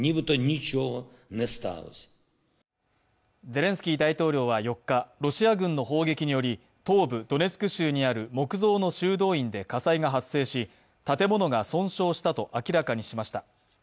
ゼレンスキー大統領は４日、ロシア軍の砲撃により東部ドネツク州にある木造の修道院で火災が発生し建物が損傷したと明らかにしました。